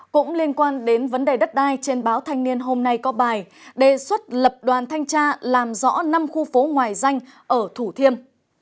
cũng liên quan đến vấn đề đất đai trên báo thanh niên hôm nay có bài đề xuất lập đoàn thanh tra làm rõ năm khu phố ngoài danh ở thủ thiêm